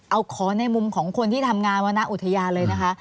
เอาขอในมุมของคนที่ทำงานวรรณอุทยานเลยนะคะ